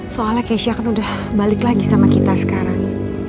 soalnya keisha kan udah balik lagi sama kita sekarang